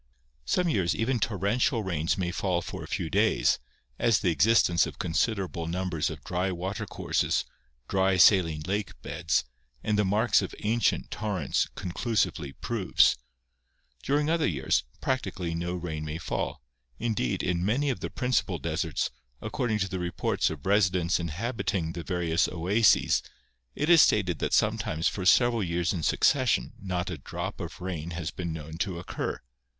Some years, even torrential rains may fall for a few days, as the existence of considerable num bers of dry water courses, dry saline lake beds, and the marks of ancient torrents conclusively proves; during other years, prac tically no rain may fall, indeed, in many of the principal deserts, according to the reports of residents inhabiting the various oases, it is stated that sometimes for several years in succession not a drop of rain has been known to occur.